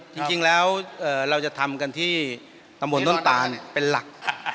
จริงแล้วเราจะทำกันที่ตำบลต้นตาเป็นหลัก